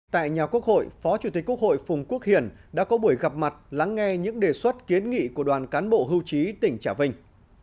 tại nhà quốc hội phó chủ tịch quốc hội phùng quốc hiển đã có buổi gặp mặt lắng nghe những đề xuất kiến nghị của đoàn cán bộ hưu trí tỉnh trà vinh